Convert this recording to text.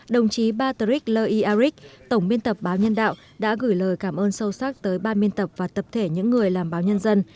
đồng chí patrick le iaric tổng miên tập báo nhân đạo đã gửi lời cảm ơn sâu sắc tới ban miên tập và tập thể những người làm báo nhân dân